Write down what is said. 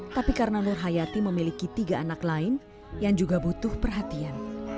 tapi karena nur hayati memiliki tiga anak lain yang juga butuh perhatian